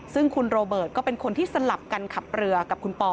ซึ่งคุณโรเบิร์ตก็เป็นคนที่สลับกันขับเรือกับคุณปอ